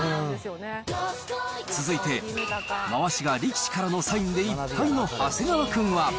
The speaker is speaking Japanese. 続いて、まわしが力士からのサインでいっぱいの長谷川君は。